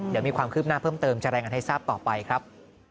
เดี๋ยวมีความคืบหน้าเพิ่มเติมจะรายงานให้ทราบต่อไปครับ